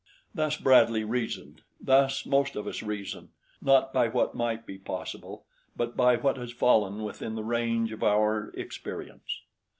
Thus Bradley reasoned thus most of us reason; not by what might be possible; but by what has fallen within the range of our experience.